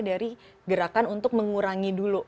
dari gerakan untuk mengurangi dulu